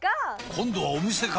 今度はお店か！